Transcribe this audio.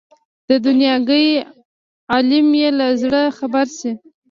د دنیاګۍ عالم یې له زړه خبر شي.